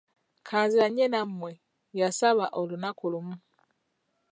Kanzanye namwe, yabasaba olunaku lumu.